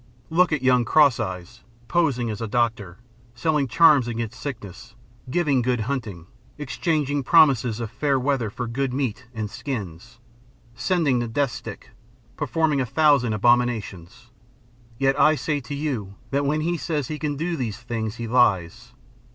Look at young Cross Eyes, posing as a doctor, selling charms against sickness, giving good hunting, exchanging promises of fair weather for good meat and skins, sending the death stick, performing a thousand abominations. Yet I say to you, that when he says he can do these things, he lies.